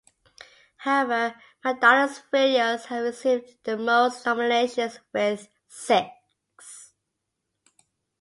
However, Madonna's videos have received the most nominations with six.